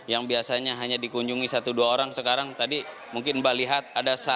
yang biasanya hanya dikunjungi satu dua orang sekarang tadi mungkin mbak lihat ada satu